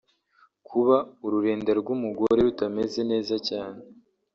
Kuba ururenda rw’umugore rutameze neza cyane